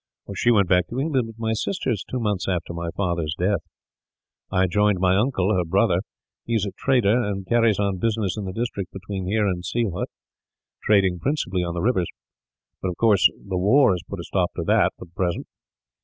"She went back to England with my sisters, two months after my father's death. I joined my uncle, her brother. He is a trader, and carries on business in the district between here and Sylhet, trading principally on the rivers; but of course the war has put a stop to that, for the present.